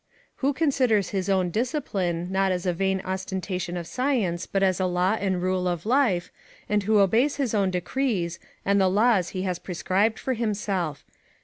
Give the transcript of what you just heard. ["Who considers his own discipline, not as a vain ostentation of science, but as a law and rule of life; and who obeys his own decrees, and the laws he has prescribed for himself."